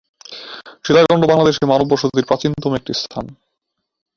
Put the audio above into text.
সীতাকুন্ড বাংলাদেশে মানব বসতির প্রাচীনতম একটি স্থান।